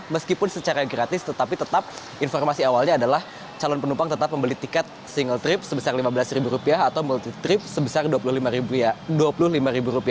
meskipun secara gratis tetapi tetap informasi awalnya adalah calon penumpang tetap membeli tiket single trip sebesar rp lima belas atau multi trip sebesar rp dua puluh lima